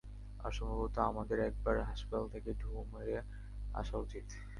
আর সম্ভবত আমাদের একবার হাসপাতাল থেকে ঢু মেরে আসা উচিত।